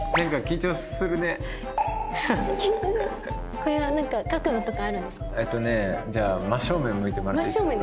これは何か角度とかあるんですか？